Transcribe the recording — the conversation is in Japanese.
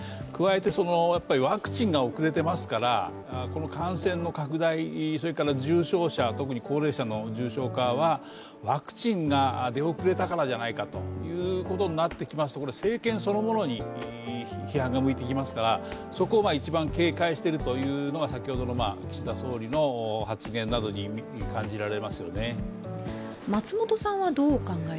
加えて、ワクチンが遅れていますから感染の拡大、重症者、特に高齢者の重症化はワクチンが出遅れたからじゃないかということになってきますと政権そのものに批判が向いてきますからそこを一番警戒しているというのが先ほどの岸田総理の発言などに感じられますよね。